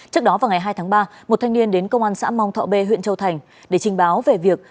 trước đó vào ngày hai tháng ba một thanh niên đến công an xã mong thọ b huyện châu thành để trình báo về việc